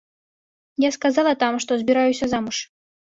Я сказала там, што збіраюся замуж.